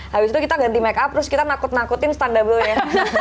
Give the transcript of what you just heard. habis itu kita ganti make up terus kita nakut nakutin standable nya